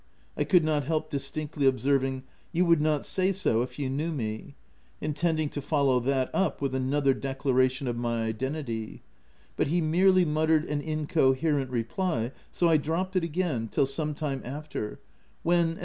— I could not help distinctly observing —" You would not say so if you knew me," intending to follow that up with another declaration of my identity, but he merely muttered an incoherent reply, so I dropped it again, till some time after, when, as OF WILDFELL HALL.